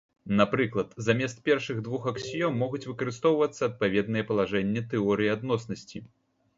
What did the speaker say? Напрыклад, замест першых двух аксіём могуць выкарыстоўвацца адпаведныя палажэнні тэорыі адноснасці.